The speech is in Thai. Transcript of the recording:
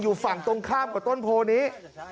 อยู่ฝั่งตรงข้ามกับต้นโพนี้